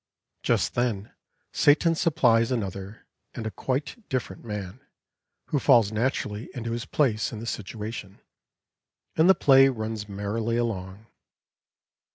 Just then Satan supplies another and a quite different man, who falls naturally into his place in the situation, and the play runs merrily along.